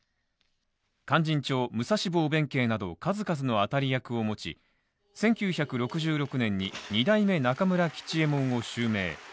「勧進帳」「武蔵坊弁慶」など数々の当たり役を持ち、１９６６年に二代目中村吉右衛門を襲名。